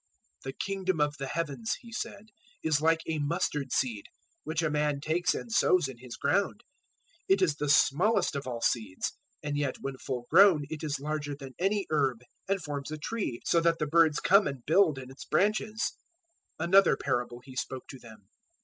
"The Kingdom of the Heavens," He said, "is like a mustard seed, which a man takes and sows in his ground. 013:032 It is the smallest of all seeds, and yet when full grown it is larger than any herb and forms a tree, so that the birds come and build in its branches." 013:033 Another parable He spoke to them.